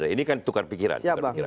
ini kan tukar pikiran